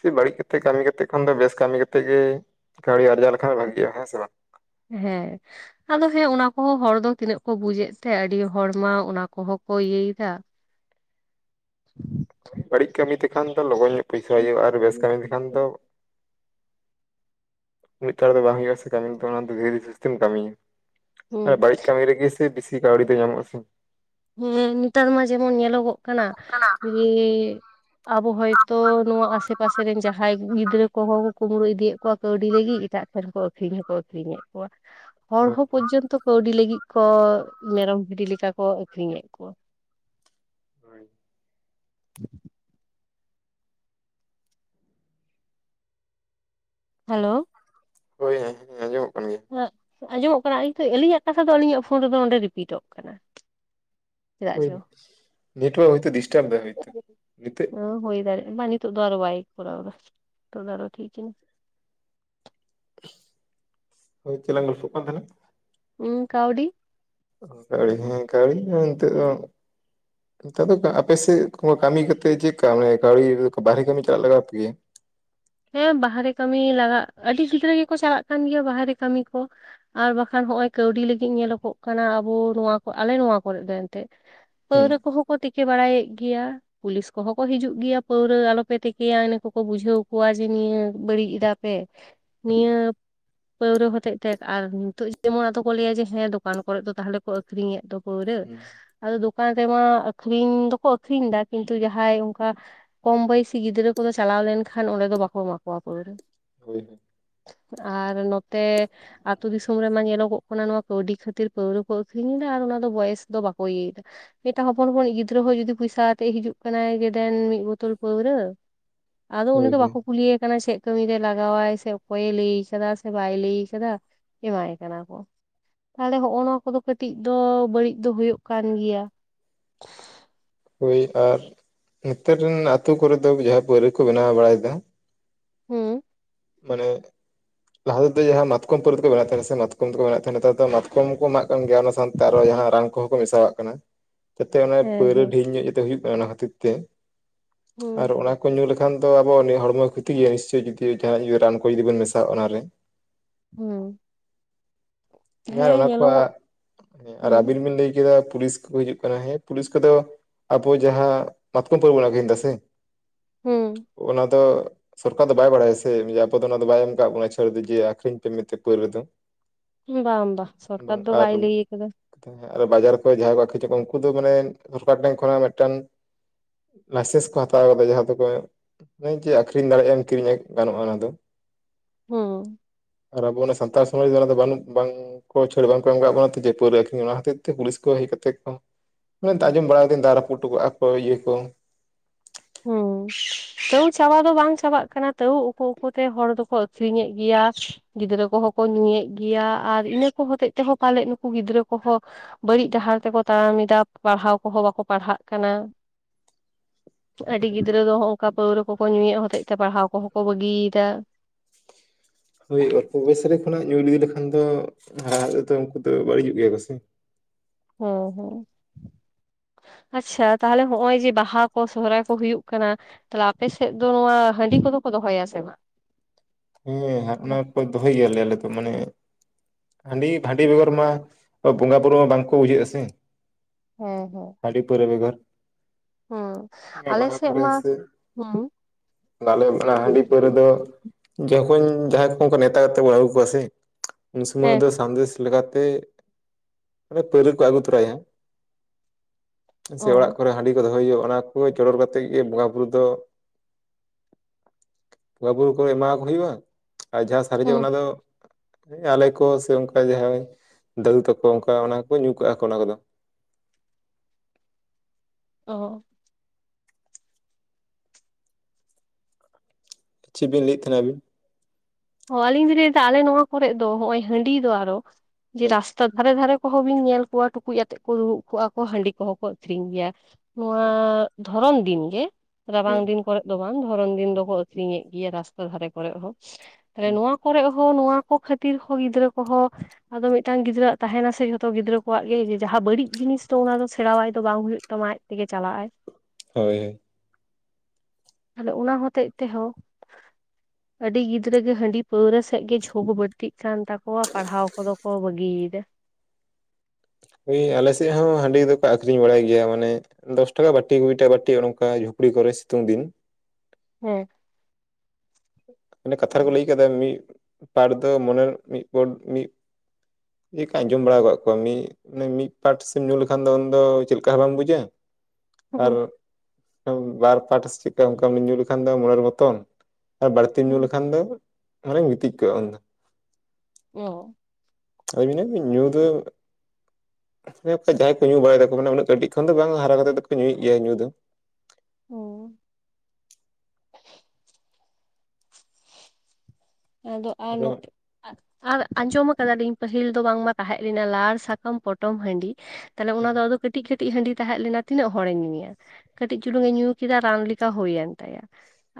Speaker 2: ᱥᱮ ᱵᱟᱹᱲᱤᱡ ᱠᱟᱛᱮ ᱠᱟᱹᱢᱤ ᱠᱟᱛᱮ ᱠᱷᱚᱱ ᱫᱚ ᱵᱮᱥ ᱠᱟᱹᱢᱤ ᱠᱟᱛᱮ ᱜᱮ ᱠᱟᱹᱣᱲᱤ ᱟᱨᱡᱟᱣ ᱞᱮᱠᱷᱟᱱ ᱵᱷᱟᱜᱤᱜᱼᱟ ᱦᱮᱸ ᱥᱮ ᱵᱟᱝ
Speaker 1: ᱦᱮᱸ ᱟᱫᱚ ᱦᱮᱸ ᱚᱱᱟ ᱠᱚᱦᱚ ᱦᱚᱲ ᱫᱚ ᱛᱤᱱᱟᱹᱜ ᱠᱚ ᱵᱩᱡᱮᱫ ᱛᱮ ᱟᱹᱰᱤ ᱦᱚᱲᱢᱟ ᱚᱱᱟ ᱠᱚᱦᱚᱸ ᱠᱚ ᱤᱭᱟᱹᱭᱮᱫᱟ
Speaker 2: ᱵᱟᱹᱲᱤᱡ ᱠᱟᱹᱢᱤ ᱛᱮᱠᱷᱟᱱ ᱫᱚ ᱞᱚᱜᱚᱱ ᱧᱚᱜ ᱯᱚᱭᱥᱟ ᱦᱩᱭᱩᱜᱼᱟ ᱟᱨ ᱵᱮᱥ ᱠᱟᱹᱢᱤ ᱞᱮᱠᱷᱟᱱ ᱫᱚ ᱩᱱᱟᱹᱜ ᱪᱟᱲ ᱫᱚ ᱵᱟᱝ ᱦᱩᱭᱩᱜ-ᱟ ᱥᱮ ᱠᱟᱹᱢᱤ ᱫᱚ ᱚᱱᱟ ᱫᱷᱤᱨᱮ ᱡᱩᱥᱛᱤᱢ ᱠᱟᱹᱢᱤᱭᱟ
Speaker 1: ᱦᱩᱸ
Speaker 2: ᱟᱨ ᱵᱟᱹᱲᱤᱡ ᱠᱟᱢᱤ ᱨᱮᱜᱮ ᱥᱮ ᱵᱮᱥᱤ ᱠᱟᱹᱣᱲᱤ ᱫᱚ ᱧᱟᱢᱚᱜ-ᱟ ᱥᱮ
Speaker 1: ᱦᱮᱸ ᱱᱮᱛᱟᱨ ᱢᱟ ᱡᱮᱢᱚᱱ ᱧᱮᱞᱚᱜᱚᱜ ᱠᱟᱱᱟ ᱡᱮ ᱟᱵᱚ ᱦᱚᱭᱛᱚ ᱱᱚᱣᱟ ᱟᱥᱮ ᱯᱟᱥᱮᱨᱮᱱ ᱡᱟᱦᱟᱭ ᱜᱤᱫᱽᱨᱟᱹ ᱠᱚᱦᱚᱸ ᱠᱚ ᱠᱩᱢᱵᱽᱲᱩ ᱤᱫᱤᱭᱮᱫ ᱠᱚᱣᱟ ᱠᱟᱹᱣᱰᱤ ᱞᱟᱹᱜᱤᱫ ᱮᱴᱟᱜ ᱴᱷᱮᱱ ᱦᱚᱸᱠᱚ ᱟᱹᱠᱷᱨᱤᱧ ᱦᱚᱸᱠᱚ ᱟᱹᱠᱷᱨᱤᱧᱮᱫ ᱠᱚᱣᱟ ᱦᱚᱲ
Speaker 2: ᱦᱳᱭ
Speaker 1: ᱦᱚ ᱯᱚᱡᱡᱚᱱᱛᱚ ᱠᱟᱹᱣᱰᱤ ᱞᱟᱹᱜᱤᱫ ᱠᱚ ᱢᱮᱨᱚᱢ ᱵᱷᱤᱰᱤ ᱞᱮᱠᱟ ᱠᱚ ᱟᱠᱷᱨᱤᱧᱮᱫ ᱠᱚᱣᱟ
Speaker 2: ᱦᱳᱭ
Speaker 1: [inaudible] ᱦᱮᱞᱳ
Speaker 2: ᱦᱩᱭᱮ
Speaker 1: ᱟᱸᱡᱚᱢᱼᱚᱜ ᱠᱟᱱᱟ ᱟᱹᱞᱤᱧᱟᱜ ᱠᱟᱛᱷᱟ ᱫᱚ ᱟᱹᱞᱤᱧᱟᱜ ᱯᱷᱳᱱ ᱨᱮᱫᱚ ᱚᱸᱰᱮ ᱨᱤᱯᱤᱴᱚᱜ ᱠᱟᱱᱟ ᱪᱮᱫᱟᱜ ᱪᱚ
Speaker 2: ᱱᱮᱴᱣᱟᱨᱠ ᱦᱚᱭᱛᱚ ᱰᱤᱥᱴᱟᱵ ᱫᱟ ᱦᱳᱛᱚ ᱱᱤᱛᱚᱜ
Speaker 1: ᱦᱳᱭ ᱫᱟᱲᱮᱜ ᱵᱟ ᱱᱤᱛᱚᱜ ᱫᱚ ᱵᱟᱭ ᱠᱚᱨᱟᱣ ᱫᱟ ᱱᱤᱛᱚᱜ ᱫᱚ ᱟᱨᱦᱚ ᱴᱷᱤᱠ ᱮᱱᱟ
Speaker 2: ᱦᱳᱭ ᱪᱮᱫ ᱞᱟᱝ ᱜᱚᱞᱯᱚᱜ ᱠᱟᱱ ᱛᱟᱦᱮᱱᱟ
Speaker 1: ᱦᱩᱸ ᱠᱟᱹᱣᱰᱤ
Speaker 2: ᱤᱭᱟᱹ ᱦᱮᱸ ᱠᱟᱹᱣᱰᱤ ᱱᱮᱛᱟᱨ ᱫᱚ ᱟᱯᱮᱥᱮᱫ ᱠᱟᱹᱢᱤ ᱠᱟᱛᱮ ᱡᱮ ᱵᱟᱨᱦᱮ ᱠᱟᱹᱢᱤ ᱪᱟᱞᱟᱜ ᱞᱟᱜᱟᱣ ᱯᱮᱭᱟ
Speaker 1: ᱦᱮᱸ ᱵᱟᱦᱨᱮ ᱠᱟᱹᱢᱤ ᱞᱟᱜᱟᱜ ᱟᱹᱰᱤ ᱜᱤᱫᱽᱨᱟᱹ ᱜᱮᱠᱚ ᱪᱟᱞᱟᱜ ᱠᱟᱱ ᱜᱮᱭᱟ ᱵᱟᱦᱨᱮ ᱠᱟᱹᱢᱤ ᱠᱚ ᱟᱨ ᱵᱟᱠᱷᱟᱱ ᱦᱸᱚᱜᱼᱚᱭ ᱠᱟᱹᱣᱰᱤ ᱞᱟᱹᱜᱤᱫ ᱧᱮᱞᱚᱜᱼᱚᱜ ᱠᱟᱱᱟ ᱟᱵᱚ ᱱᱚᱣᱟ ᱟᱞᱮ ᱱᱚᱣᱟ ᱠᱚᱨᱮᱜ ᱫᱚ ᱮᱱᱛᱮᱜ
Speaker 2: ᱦᱩᱸ
Speaker 1: ᱯᱟᱹᱣᱨᱟᱹ ᱠᱚᱸᱦᱚᱸ ᱛᱤᱠᱤ ᱵᱟᱲᱟᱭᱮᱫ ᱜᱮᱭᱟ ᱯᱩᱞᱤᱥ ᱠᱚᱦᱚᱸ ᱠᱚ ᱦᱤᱡᱩᱜ ᱜᱮᱭᱟ ᱯᱟᱹᱣᱨᱟᱹ ᱟᱞᱚᱯᱮ ᱛᱤᱠᱤᱭᱟ ᱤᱱᱟᱹ ᱠᱚᱠᱚ ᱵᱩᱡᱷᱟᱹᱣ ᱠᱚᱣᱟ ᱡᱮ ᱱᱤᱭᱟᱹ ᱵᱟᱹᱲᱤᱡ ᱮᱫᱟ ᱯᱮ ᱱᱤᱭᱟᱹ
Speaker 2: ᱦᱩᱸ
Speaker 1: ᱯᱟᱹᱣᱨᱟᱹ ᱦᱚᱛᱮᱡ ᱛᱮ ᱟᱨ ᱱᱤᱛᱚᱜ ᱡᱮᱢᱚᱱ ᱟᱫᱚ ᱠᱚ ᱞᱟᱹᱭ ᱟ ᱡᱮ ᱦᱮᱸ ᱫᱚᱠᱟᱱ ᱠᱚᱨᱮᱜ ᱫᱚ ᱛᱟᱦᱚᱞᱮ ᱠᱚ ᱟᱠᱷᱨᱤᱧ ᱮᱫ ᱫᱚ ᱯᱟᱹᱣᱨᱟᱹ
Speaker 2: ᱦᱩᱸ
Speaker 1: ᱟᱫᱚ ᱫᱚᱠᱟᱱ ᱨᱮᱢᱟ ᱟᱹᱠᱷᱨᱤᱧ ᱫᱚᱠᱚ ᱟᱹᱠᱷᱨᱤᱧ ᱮᱫᱟ ᱠᱤᱱᱛᱩ ᱡᱟᱦᱟᱸᱭ ᱚᱱᱠᱟ ᱠᱚᱢ ᱵᱚᱭᱥᱤ ᱜᱤᱫᱽᱨᱟᱹ ᱠᱚᱫᱚ ᱪᱟᱞᱟᱣ ᱞᱮᱱᱠᱷᱟᱱ ᱚᱸᱰᱮ ᱫᱚ ᱵᱟᱠᱚ ᱮᱢᱟ ᱠᱚᱣᱟ ᱯᱟᱹᱣᱨᱟᱹ
Speaker 2: ᱦᱳᱭ ᱦᱳᱭ
Speaker 1: ᱟᱨ ᱱᱚᱛᱮ ᱟᱹᱛᱩ ᱫᱤᱥᱚᱢ ᱨᱮᱢᱟ ᱧᱮᱞᱚᱜᱼᱚᱜ ᱠᱟᱱᱟ ᱱᱚᱣᱟ ᱠᱟᱹᱣᱰᱤ ᱠᱷᱟᱹᱛᱤᱨ ᱯᱟᱹᱣᱨᱟᱹ ᱠᱚ ᱟᱹᱷᱨᱤᱧ ᱮᱫᱟ ᱟᱨ ᱚᱱᱟ ᱫᱚ ᱵᱚᱭᱮᱥ ᱫᱚ ᱵᱟᱠᱚ ᱤᱭᱟᱹᱭ ᱮᱫᱟ ᱢᱤᱫᱴᱟᱝ ᱦᱚᱯᱚᱱ ᱦᱚᱯᱚᱱᱤᱡ ᱜᱤᱫᱽᱨᱟᱹ ᱦᱚᱸ ᱡᱩᱚᱫᱤ ᱯᱚᱭᱥᱟ ᱟᱛᱮᱜ ᱦᱤᱡᱩᱜ ᱠᱟᱱᱟᱭ ᱡᱮ ᱫᱮᱱ ᱢᱤᱫ ᱵᱳᱛᱳᱚᱞ ᱯᱟᱹᱣᱨᱟᱹ ᱟᱫᱚ ᱩᱱᱤ
Speaker 2: ᱦᱳᱭ
Speaker 1: ᱫᱚ
Speaker 2: ᱦᱳᱭ
Speaker 1: ᱵᱟᱠᱚ ᱠᱩᱞᱤᱭᱮ ᱠᱟᱱᱟ ᱪᱮᱫ ᱠᱟᱹᱢᱤ ᱨᱮ ᱞᱟᱜᱟᱣᱟᱭ ᱥᱮ ᱚᱠᱚᱭᱮ ᱞᱟᱹᱭ ᱠᱟᱫᱟ ᱥᱮ ᱵᱟᱭ ᱞᱟᱹᱭ ᱠᱟᱫᱟ ᱮᱢᱟᱭ ᱠᱟᱱᱟ ᱠᱚ ᱛᱟᱦᱚᱞᱮ ᱦᱚᱜᱼᱚ ᱱᱚᱣᱟ ᱠᱚᱫᱚ ᱠᱟᱹᱴᱤᱡ ᱫᱚ ᱵᱟᱹᱲᱤᱡ ᱫᱚᱻ ᱦᱩᱭᱩᱜ ᱠᱟᱱ ᱜᱮᱭᱟ
Speaker 2: ᱦᱳᱭ ᱟᱨ ᱱᱮᱛᱟᱨ ᱨᱮᱱ ᱟᱛᱳ ᱠᱚᱨᱮ ᱫᱚ ᱡᱟᱦᱟᱸ ᱯᱟᱹᱣᱨᱟᱹ ᱠᱚ ᱵᱮᱱᱟᱣ ᱵᱟᱲᱟᱭ ᱮᱫᱟ
Speaker 1: ᱦᱩᱸ
Speaker 2: ᱢᱟᱱᱮ ᱞᱟᱦᱟ ᱛᱮᱫ ᱡᱟᱦᱟᱸ ᱢᱟᱛᱠᱚᱢ ᱯᱟᱹᱣᱨᱟᱹ ᱛᱮᱠᱚ ᱵᱮᱱᱟᱣ ᱮᱜ ᱛᱟᱦᱮᱸᱱ ᱥᱮ ᱢᱟᱛᱠᱚᱢ ᱛᱮᱠᱚ ᱵᱮᱱᱟᱣ ᱛᱟᱦᱮᱸᱱ ᱱᱮᱛᱟᱨ ᱫᱚ ᱢᱟᱛᱠᱚᱢ ᱠᱚ ᱮᱢᱟᱜ ᱠᱟᱱ ᱜᱮᱭᱟ ᱚᱱᱟ ᱥᱟᱶᱛᱮ ᱟᱨᱚ ᱡᱟᱦᱟᱸ ᱨᱟᱱ ᱠᱚᱦᱚᱸ ᱠᱚ ᱢᱮᱥᱟᱣᱟᱜ ᱠᱟᱱᱟᱹ ᱡᱟᱛᱮ ᱚᱱᱟ
Speaker 1: ᱦᱮᱸ
Speaker 2: ᱯᱟᱹᱣᱨᱟᱹ
Speaker 1: ᱦᱮᱸ
Speaker 2: ᱰᱷᱤᱨ ᱧᱚᱜ ᱡᱟᱛᱮ ᱦᱩᱭᱩᱜ ᱢᱟ ᱚᱱᱟ ᱠᱷᱟᱹᱛᱤᱨ ᱛᱮ ᱟᱨ
Speaker 1: ᱦᱩᱸ
Speaker 2: ᱚᱱᱟ ᱠᱚ ᱧᱩ ᱞᱮᱠᱷᱟᱱ ᱮᱱᱠᱷᱟᱱ ᱫᱚ ᱟᱵᱚ ᱱᱩᱭ ᱦᱚᱲᱢᱚᱭ ᱠᱷᱚᱛᱤ ᱜᱮᱭᱟ ᱱᱤᱥᱪᱚᱭ ᱡᱩᱫᱤ ᱡᱟᱦᱟᱸᱱᱼᱟᱜ ᱨᱟᱱ ᱠᱚ ᱡᱩᱫᱤ ᱵᱚᱱ ᱢᱮᱥᱟ ᱟᱜᱼᱟ ᱚᱱᱟ ᱨᱮ
Speaker 1: ᱦᱩᱸ
Speaker 2: ᱟᱨ
Speaker 1: ᱦᱮᱸ
Speaker 2: ᱚᱱᱟ
Speaker 1: ᱧᱮᱞᱚᱜᱚᱜ
Speaker 2: ᱠᱚᱣᱟᱜ ᱟᱨ
Speaker 1: ᱦᱩᱸ
Speaker 2: ᱟᱵᱤᱱ ᱵᱤᱱ ᱞᱟᱹᱭ ᱠᱮᱫᱟ ᱯᱩᱞᱤᱥ ᱠᱚ ᱦᱤᱡᱩᱜ ᱠᱟᱱᱟ ᱦᱮᱸ ᱯᱩᱞᱤᱥ ᱠᱚᱫᱚ ᱟᱵᱚ ᱡᱟᱦᱟᱸ ᱢᱟᱛᱠᱚᱢ ᱯᱟᱹᱣᱨᱟᱹ ᱵᱚᱱ ᱟᱹᱠᱷᱨᱤᱧ ᱫᱟ ᱥᱮ
Speaker 1: ᱦᱩᱸ
Speaker 2: ᱚᱱᱟ ᱫᱚ ᱥᱚᱨᱠᱟᱨ ᱫᱚ ᱵᱟᱭ ᱵᱟᱲᱟᱭᱟ ᱥᱮ ᱟᱵᱚ ᱫᱚ ᱚᱱᱟ ᱫᱚ ᱵᱟᱭ ᱮᱢ ᱟᱴᱠᱟᱫ ᱵᱚᱱᱟ ᱪᱷᱟᱹᱲ ᱡᱚᱫᱤᱳ ᱡᱮ ᱟᱹᱠᱷᱨᱤᱧ ᱯᱮ ᱢᱮᱱᱛᱮ ᱯᱟᱹᱣᱨᱟᱹ ᱫᱚ
Speaker 1: ᱵᱟᱝ ᱵᱟᱝ ᱥᱚᱨᱠᱟᱨ ᱫᱚ ᱵᱟᱭ ᱞᱟᱹᱭ ᱠᱟᱫᱟ
Speaker 2: ᱟᱫᱚ ᱵᱟᱡᱟᱨ ᱠᱚᱨᱮ ᱡᱟᱦᱟᱸᱭ ᱵᱟᱠᱚ ᱪᱟᱵᱟᱭᱟ ᱩᱱᱠᱩ ᱫᱚ ᱢᱟᱱᱮ ᱥᱚᱨᱠᱟᱨ ᱴᱷᱮᱱ ᱠᱷᱚᱱᱟᱜ ᱢᱤᱫᱴᱮᱱ ᱞᱟᱭᱥᱮᱸᱥ ᱠᱚ ᱦᱟᱛᱟᱣ ᱠᱟᱫᱟ ᱡᱟᱦᱟᱸ ᱫᱚᱠᱚ ᱡᱮ ᱟᱹᱠᱷᱨᱤᱧ ᱫᱟᱲᱮᱭᱟᱜᱼᱟᱢ ᱠᱤᱨᱤᱧ ᱜᱟᱱᱚᱜᱼᱟ ᱚᱱᱟ ᱫᱚ
Speaker 1: ᱦᱩᱸ
Speaker 2: ᱟᱨ ᱟᱵᱚ ᱚᱱᱟ ᱥᱟᱱᱛᱟᱲ ᱥᱚᱢᱟᱡᱽ ᱚᱱᱟ ᱫᱚ ᱵᱟᱹᱱᱩᱜ ᱵᱟᱝ ᱠᱚ ᱪᱷᱟᱹᱲ ᱵᱟᱝᱠᱚ ᱮᱢ ᱠᱟᱜ ᱵᱚᱱᱟ ᱡᱮ ᱯᱟᱹᱣᱨᱟᱹ ᱟᱹᱠᱷᱨᱤᱧ ᱚᱱᱟ ᱦᱚᱛᱮᱡ ᱛᱮ ᱯᱩᱞᱤᱥ ᱠᱚ ᱦᱮᱡ ᱠᱟᱛᱮ ᱠᱚ ᱢᱟᱱᱮ ᱟᱸᱡᱚᱢ ᱵᱟᱲᱟ ᱫᱟᱹᱧ ᱫᱟᱞ ᱨᱟᱯᱩᱫ ᱦᱚᱴᱚ ᱠᱟᱜᱼᱟ ᱠᱚ ᱤᱭᱟᱹ ᱠᱚ
Speaker 1: ᱦᱩᱸ ᱛᱟᱹᱣ ᱪᱟᱵᱟ ᱫᱚ ᱵᱟᱝ ᱪᱟᱵᱟᱜ ᱠᱟᱱᱟ ᱛᱟᱹᱣ ᱩᱠᱩ ᱩᱠᱩᱛᱮ ᱦᱚᱲ ᱫᱚᱠᱚ ᱟᱹᱠᱷᱨᱤᱧ ᱮᱫ ᱜᱮᱭᱟᱹ ᱜᱤᱫᱽᱨᱟᱹ ᱠᱚᱦᱚᱸ ᱠᱚ ᱧᱩᱭᱮᱫ ᱜᱮᱭᱟ ᱟᱨ ᱤᱱᱟᱹ ᱠᱚ ᱦᱚᱛᱮᱡ ᱛᱮᱦᱚᱸ ᱯᱟᱞᱮᱫ ᱱᱩᱠᱩ ᱜᱤᱫᱽᱨᱟᱹ ᱠᱚᱦᱚᱸ ᱵᱟᱹᱲᱤᱡ ᱰᱟᱦᱟᱨ ᱛᱮᱠᱚ ᱛᱟᱲᱟᱢ ᱮᱫᱟ ᱯᱟᱲᱦᱟᱣ ᱠᱚᱦᱚᱸ ᱵᱟᱠᱚ ᱯᱟᱲᱦᱟᱜ ᱠᱟᱱᱟᱹ ᱟᱹᱰᱤ ᱜᱤᱫᱽᱨᱟᱹ ᱫᱚ ᱦᱚᱜᱚᱝᱠᱟ ᱯᱟᱹᱣᱨᱟᱹ ᱠᱚᱠᱚ ᱧᱩᱭᱮᱫ ᱦᱚᱛᱮᱡ ᱛᱮ ᱯᱟᱲᱦᱟᱣ ᱠᱚᱦᱚᱸ ᱠᱚ ᱵᱟᱹᱜᱤᱭ ᱮᱫᱟᱹ
Speaker 2: ᱦᱳᱭ ᱚᱞᱯᱚ ᱵᱚᱭᱮᱥ ᱨᱮ ᱠᱷᱚᱱᱟᱜ ᱧᱩ ᱤᱫᱤ ᱞᱮᱠᱷᱟᱱ ᱫᱚ ᱦᱟᱦᱟᱜ ᱨᱮᱫᱚ ᱩᱱᱠᱩ ᱫᱚ ᱵᱟᱹᱲᱤᱡᱼᱚᱜ ᱜᱮᱭᱟ ᱠᱚᱥᱮ
Speaker 1: ᱦᱮᱸᱼᱦᱮᱸ ᱟᱪᱪᱷᱟ ᱛᱟᱦᱚᱞᱮ ᱦᱚᱜ-ᱚᱭ ᱡᱮ ᱵᱟᱦᱟ ᱠᱚ ᱥᱚᱦᱨᱟᱭ ᱠᱚ ᱦᱩᱭᱩᱜ ᱠᱟᱱᱟᱹ ᱛᱟᱦᱞᱮ ᱟᱯᱮ ᱥᱮᱫ ᱫᱚ ᱱᱚᱣᱟ ᱦᱟᱺᱰᱤ ᱠᱚ ᱫᱚ ᱠᱚ ᱫᱚᱦᱚᱭᱟ ᱥᱮ ᱵᱟᱝ?
Speaker 2: ᱦᱮᱸ ᱦᱟᱜ ᱚᱱᱟ ᱠᱚ ᱫᱚᱦᱚᱭ ᱜᱮᱭᱟᱞᱮ ᱟᱞᱮ ᱫᱚ ᱢᱟᱱᱮ ᱦᱟᱺᱰᱤ ᱵᱷᱟᱺᱰᱤ ᱵᱮᱜᱚᱨ ᱢᱟ ᱵᱚᱸᱜᱟ ᱵᱩᱨᱩ ᱢᱟ ᱵᱟᱝ ᱠᱚ ᱵᱩᱡᱷᱟᱹᱜ ᱟ ᱥᱮ
Speaker 1: ᱦᱮᱸᱼᱦᱮᱸ
Speaker 2: ᱦᱟᱺᱰᱤ ᱯᱟᱹᱣᱨᱟᱹ ᱵᱮᱜᱚᱨ
Speaker 1: ᱟᱞᱮ ᱥᱮᱫ ᱢᱟ
Speaker 2: [unintelligible] ᱥᱮ
Speaker 1: ᱦᱩᱸ
Speaker 2: ᱟᱞᱮ ᱦᱟᱺᱰᱤ ᱯᱟᱹᱣᱨᱟᱹ ᱫᱚ ᱡᱚᱠᱷᱚᱱ ᱡᱟᱦᱟᱸᱭ ᱠᱚ ᱱᱮᱛᱟ ᱠᱟᱛᱮ ᱠᱚ ᱟᱹᱜᱩ ᱠᱚᱣᱟ ᱥᱮ ᱩᱱ ᱥᱚᱢᱚᱭ
Speaker 1: ᱦᱮᱸ
Speaker 2: ᱫᱚ ᱥᱟᱸᱫᱮᱥ ᱞᱮᱠᱟ ᱛᱮ ᱯᱟᱹᱣᱞᱟᱹ ᱠᱚ ᱟᱹᱜᱩ ᱛᱚᱨᱟᱭᱟ ᱥᱮ
Speaker 1: ᱚ
Speaker 2: ᱚᱲᱟᱜ ᱠᱚ ᱨᱮ ᱦᱟᱺᱰᱤ ᱠᱚ ᱫᱚᱦᱚᱭ ᱦᱩᱭᱩᱜ-ᱟ ᱚᱱᱟ ᱠᱚ ᱪᱚᱰᱚᱨ ᱠᱟᱛᱮᱫ ᱜᱮ ᱵᱚᱸᱜᱟ ᱵᱩᱨᱩ ᱫᱚ ᱵᱚᱸᱜᱟ ᱵᱩᱨᱩ ᱠᱚ ᱮᱢᱟᱣᱟᱠᱚ ᱦᱩᱭᱩᱜ-ᱟ ᱟᱨ ᱡᱟᱦᱟᱸ ᱥᱟᱨᱮᱡᱚᱜ
Speaker 1: ᱦᱩᱸ
Speaker 2: ᱚᱱᱟ ᱫᱚ ᱟᱞᱮ ᱠᱚ ᱥᱮ ᱚᱱᱠᱟ ᱡᱟᱦᱟᱸᱭ ᱫᱟᱹᱫᱩ ᱛᱟᱠᱚ ᱚᱱᱠᱟ ᱚᱱᱟ ᱠᱚᱠᱚ ᱧᱩ ᱠᱟᱜᱼᱟ ᱠᱚ ᱚᱱᱟ ᱠᱚᱫᱚ ᱾
Speaker 1: ᱚ
Speaker 2: ᱪᱤᱫ ᱵᱤᱱ ᱞᱟᱹᱭ ᱮᱫ ᱛᱟᱦᱮᱱ-ᱟ ᱟᱵᱤᱱ?
Speaker 1: ᱚ ᱟᱞᱤᱧ ᱞᱤᱧ ᱞᱟᱹᱭ ᱫᱟ ᱟᱞᱮ ᱱᱚᱣᱟ ᱠᱚᱨᱮ ᱫᱚ ᱦᱚᱜᱚᱭ ᱦᱟᱺᱰᱤ ᱫᱚ ᱟᱨᱚ ᱡᱮ
Speaker 2: ᱦᱮᱸ
Speaker 1: ᱨᱟᱥᱛᱟ ᱫᱷᱟᱨᱮ ᱫᱷᱟᱨᱮ ᱚᱦᱚ ᱵᱤᱱ ᱧᱮᱞ ᱠᱚᱣᱟ ᱴᱩᱠᱩᱡ ᱟᱛᱮ ᱠᱚ ᱫᱩᱲᱩᱵ ᱠᱚᱜ-ᱟ ᱠᱚ ᱦᱟᱺᱰᱤ ᱠᱚᱦᱚᱸ ᱠᱚ ᱟᱠᱷᱨᱤᱧ ᱜᱮᱭᱟ ᱱᱚᱣᱟ ᱫᱷᱚᱨᱚᱱ ᱫᱤᱱ ᱜᱮ ᱨᱟᱵᱟᱝ
Speaker 2: ᱦᱮᱸ
Speaker 1: ᱫᱤᱱ ᱠᱚ ᱫᱚ ᱵᱟᱝ ᱫᱷᱚᱨᱚᱱ ᱫᱤᱱ ᱫᱚ ᱠᱚ ᱟᱠᱷᱨᱤᱧ ᱮᱫ ᱜᱮᱭᱟ ᱨᱟᱥᱛᱟ ᱫᱷᱟᱨᱮ ᱠᱚ ᱨᱮ ᱦᱚᱸ ᱛᱮ
Speaker 2: ᱦᱮᱸ
Speaker 1: ᱱᱚᱣᱟ ᱠᱚ ᱨᱮ ᱦᱚᱸ ᱱᱚᱣᱟ ᱠᱚ ᱠᱷᱟᱹᱛᱤᱨ ᱦᱚᱸ ᱜᱤᱫᱽᱨᱟᱹ ᱠᱚᱦᱚᱸ ᱟᱫᱚ ᱢᱤᱫ ᱴᱟᱝ ᱜᱤᱫᱽᱨᱟᱹ ᱣᱟᱜ ᱛᱟᱦᱮᱱᱟ ᱥᱮ ᱡᱷᱚᱛᱚ ᱜᱤᱫᱽᱨᱟᱹ ᱠᱚᱣᱟᱜ ᱜᱮ ᱡᱟᱦᱟᱸ ᱵᱟᱹᱲᱤᱡ ᱡᱤᱱᱤᱥ ᱛᱚ ᱚᱱᱟ ᱫᱚ ᱥᱮᱬᱟᱣᱟᱭ ᱫᱚ ᱵᱟᱝ ᱦᱩᱭᱩᱜ ᱛᱟᱢᱟ ᱛᱮᱜᱮ ᱪᱟᱞᱟᱜ-ᱟᱭ
Speaker 2: ᱦᱳᱭ ᱦᱳᱭ
Speaker 1: ᱛᱟᱦᱚᱞᱮ ᱚᱱᱟ ᱦᱚᱛᱮᱡ ᱛᱮᱦᱚᱸ ᱟᱹᱰᱤ ᱜᱤᱫᱽᱨᱟᱹ ᱜᱮ ᱦᱟᱺᱰᱤ ᱯᱟᱹᱣᱨᱟᱹ ᱥᱮᱫ ᱜᱮ ᱡᱷᱳᱠ ᱵᱟᱹᱲᱛᱤᱜ ᱠᱟᱱ ᱛᱟᱠᱚᱣᱟ ᱯᱟᱲᱦᱟᱣ ᱠᱚ ᱫᱚ ᱠᱚ ᱵᱟᱹᱜᱤ ᱭᱮᱫᱟ
Speaker 2: ᱦᱳᱭ ᱟᱞᱮ ᱥᱮᱫ ᱦᱚᱸ ᱦᱟᱺᱰᱤ ᱫᱚᱠᱚ ᱟᱠᱷᱨᱤᱧ ᱵᱟᱲᱟᱭ ᱜᱮᱭᱟ ᱢᱟᱱᱮ ᱫᱚᱥ ᱴᱟᱠᱟ ᱵᱟᱹᱴᱤ ᱠᱚ ᱢᱤᱫ ᱴᱟᱝ ᱵᱟᱴᱤ ᱱᱚᱝᱠᱟ ᱡᱷᱩᱯᱲᱤ ᱠᱚ ᱨᱮ ᱥᱤᱛᱩᱝ ᱫᱤᱱ
Speaker 1: ᱦᱮᱸ
Speaker 2: ᱢᱟᱱᱮ ᱠᱟᱛᱷᱟ
Speaker 1: ᱚ
Speaker 2: ᱨᱮᱠᱚ ᱞᱟᱹᱭ ᱟᱠᱟᱫᱟ ᱢᱤᱫ ᱯᱟᱨᱴ ᱫᱚ ᱢᱚᱱᱮ ᱢᱤᱫ ᱵᱳᱰ ᱢᱤᱫ ᱮᱠᱟ ᱟᱸᱡᱚᱢ ᱵᱟᱲᱟ ᱟᱠᱟᱫ ᱠᱚᱣᱟ ᱢᱤᱫ ᱚᱱᱮ ᱢᱤᱫ ᱯᱟᱴ ᱥᱮᱢ ᱧᱩ ᱞᱮᱠᱷᱟᱱ ᱫᱚ ᱩᱱᱫᱚ ᱪᱮᱜ ᱠᱟ ᱵᱟᱢ ᱵᱩᱡᱟ ᱟᱨ ᱵᱟᱨ ᱯᱟᱴ ᱪᱮᱫ ᱠᱟ ᱚᱱᱠᱟᱢ ᱧᱩ ᱞᱮᱠᱷᱟᱱ ᱢᱚᱱᱮᱨ ᱢᱚᱛᱚᱱ ᱟᱨ ᱵᱟᱹᱲᱛᱤᱢ ᱧᱩ ᱞᱮᱠᱷᱟᱱ ᱫᱚ ᱢᱟᱱᱮᱧ ᱜᱤᱛᱤᱡ ᱠᱚᱜ-ᱟ ᱩᱱᱫᱚ
Speaker 1: ᱚ
Speaker 2: ᱟ ᱵᱱᱟᱧᱩ ᱫᱚ ᱦᱮ ᱡᱟᱦᱟᱸᱭ ᱠᱚ ᱧᱩ ᱵᱟᱲᱟᱭ ᱫᱟᱠᱚ ᱩᱱᱟᱹᱜ ᱠᱟᱹᱴᱤᱡ ᱠᱷᱚᱱ ᱫᱚ ᱵᱟᱝ ᱦᱟᱨᱟ ᱠᱟᱛᱮ ᱫᱚᱠᱚ ᱧᱩᱭᱮᱫ ᱜᱮᱭᱟ ᱧᱩ ᱫᱚ
Speaker 1: ᱦᱩᱸ ᱟᱫᱚ ᱟᱨ
Speaker 2: ᱟᱨᱚ
Speaker 1: ᱱᱚᱛᱮ ᱟᱨ ᱟᱸᱡᱚᱢ ᱟᱠᱟ ᱫᱟᱞᱤᱧ ᱯᱟᱹᱦᱤᱞ ᱫᱚ ᱵᱟᱝᱢᱟ ᱛᱟᱦᱮᱸ ᱞᱮᱱᱟ ᱞᱟᱲ ᱥᱟᱠᱟᱢ ᱯᱚᱴᱚᱢ ᱦᱟᱺᱰᱤ ᱛᱟᱦᱚᱞᱮ ᱚᱱᱟ ᱫᱚ ᱠᱟᱹᱴᱤᱡ ᱠᱟᱹᱴᱤᱡ ᱦᱟᱺᱰᱤ ᱛᱟᱦᱮᱸ ᱞᱮᱱᱟ ᱛᱤᱱᱟᱹᱜ ᱦᱚᱲ ᱮ ᱧᱩᱭᱟ ᱠᱟᱹᱴᱤᱡ ᱪᱩᱞᱩᱝ ᱮ ᱧᱩ ᱠᱮᱫᱟ ᱨᱟᱱ ᱞᱮᱠᱟ ᱦᱩᱭᱮᱱ ᱛᱟᱭᱟ